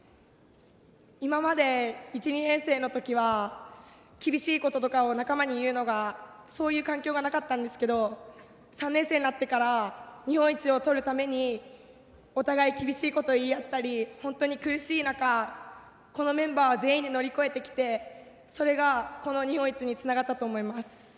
今まで１、２年生のときは厳しいこととか仲間に言うのがそういう環境がなかったんですけど３年生になってから日本一を取るためにお互い厳しいことを言い合ったり本当に苦しい中このメンバー全員で乗り越えてきてそれがこの日本一につながったと思います。